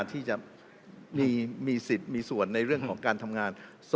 ที่จะมีสิทธิ์มีส่วนในเรื่องของการทำงาน